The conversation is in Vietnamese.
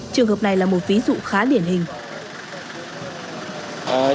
trường hợp này là một ví dụ khá điển hình